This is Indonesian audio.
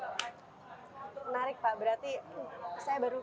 menarik pak berarti saya baru